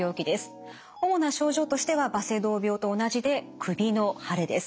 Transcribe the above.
主な症状としてはバセドウ病と同じで首の腫れです。